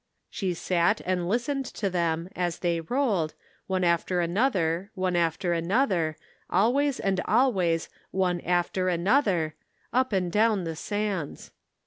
She sat ami listened to them, as they rolled, one after another, one after another, always and alvvuvs one after another, up and down the sands